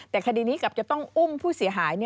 แต่คดีนี้กลับจะต้องอุ้มผู้เสียหาย